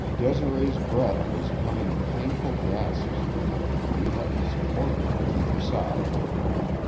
Desiree's breath was coming in painful gasps, and we had to support her on either side.